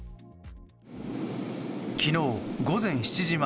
昨日午前７時前。